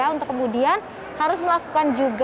untuk kemudian harus melakukan juga